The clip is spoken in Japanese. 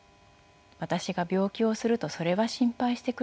私が病気をするとそれは心配してくれました。